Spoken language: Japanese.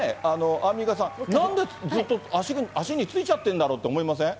アンミカさん、なんでずっと足についちゃってるんだろうと思いません？